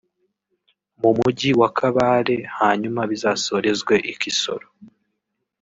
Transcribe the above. mu mujyi wa Kabale hanyuma bizasorezwe i Kisoro